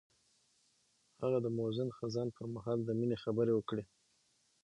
هغه د موزون خزان پر مهال د مینې خبرې وکړې.